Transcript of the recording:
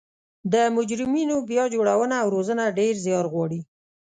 د مجرمینو بیا جوړونه او روزنه ډیر ځیار غواړي